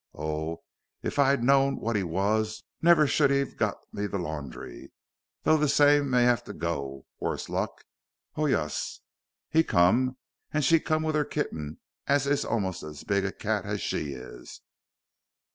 Oh, if I'd known wot he wos never should he 'ave got me the laundry, though the same may have to go, worse luck. Ho, yuss! he come, and she come with her kitting, as is almost as big a cat as she is.